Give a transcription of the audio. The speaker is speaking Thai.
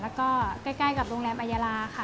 แล้วก็ใกล้กับโรงแรมอายาลาค่ะ